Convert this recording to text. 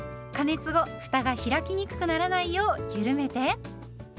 加熱後ふたが開きにくくならないようゆるめて。